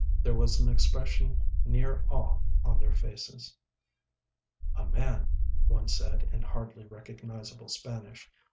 There was an expression near awe on their faces. "A man," one said, in hardly recognisable Spanish.